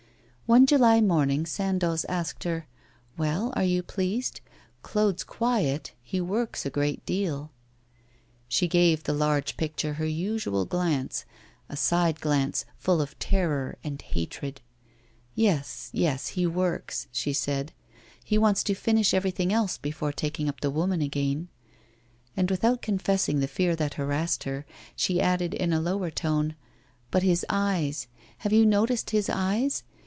One July morning Sandoz asked her: 'Well, are you pleased? Claude's quiet, he works a deal.' She gave the large picture her usual glance, a side glance full of terror and hatred. 'Yes, yes, he works,' she said. 'He wants to finish everything else before taking up the woman again.' And without confessing the fear that harassed her, she added in a lower tone: 'But his eyes have you noticed his eyes?